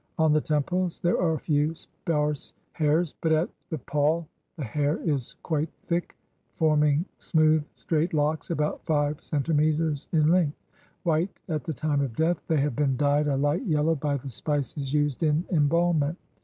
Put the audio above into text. On the temples there are a few sparse hairs, but at the poll the hair is quite thick, forming smooth, straight locks about five centimeters in length. White at the time of death, they have been dyed a light yellow by the spices used in embalmment.